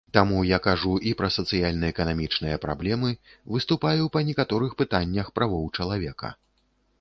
Таму я кажу і пра сацыяльна-эканамічныя праблемы, выступаю па некаторых пытаннях правоў чалавека.